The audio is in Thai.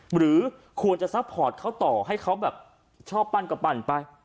หรือควรจะซัพพอร์ตเขาต่อให้เขาแบบชอบปั้นก็ปั้นไป